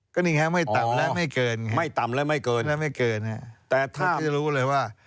ก็นี่ไงไม่ต่ำและไม่เกินไม่ต่ำและไม่เกิน